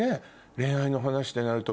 恋愛の話ってなると。